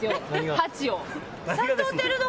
８を。